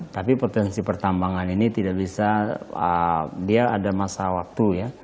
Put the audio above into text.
tapi potensi pertambangan ini tidak bisa dia ada masa waktu ya